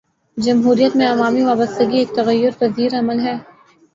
جمہوریت میں عوامی وابستگی ایک تغیر پذیر عمل ہے۔